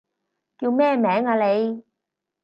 叫咩名啊你？